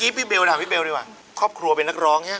พี่เบลถามพี่เบลดีกว่าครอบครัวเป็นนักร้องใช่ไหม